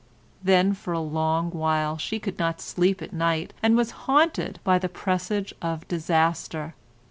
Then for a long while she could not sleep at night and was haunted by a presage of disaster.